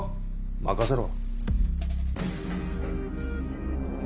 任せろ。